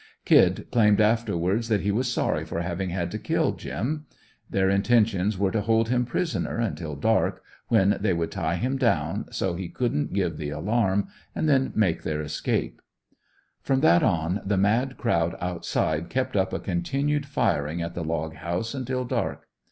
"Kid" claimed afterwards that he was sorry for having had to kill "Jim." Their intentions were to hold him prisoner until dark, when they would tie him down, so he couldn't give the alarm, and then make their escape. From that on, the mad crowd outside kept up a continued firing at the log house until dark.